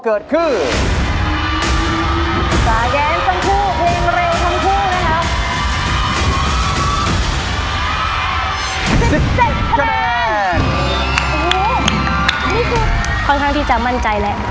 นี่คือค่อนข้างที่จะมั่นใจแล้ว